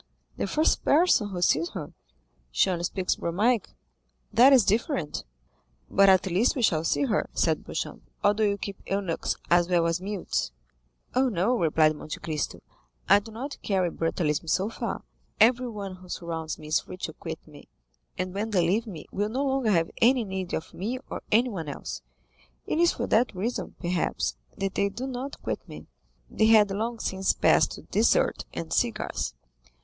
"The first person who sees her." "She only speaks Romaic." "That is different." "But at least we shall see her," said Beauchamp, "or do you keep eunuchs as well as mutes?" "Oh, no," replied Monte Cristo; "I do not carry brutalism so far. Everyone who surrounds me is free to quit me, and when they leave me will no longer have any need of me or anyone else; it is for that reason, perhaps, that they do not quit me." They had long since passed to dessert and cigars.